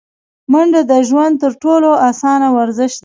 منډه د ژوند تر ټولو اسانه ورزش دی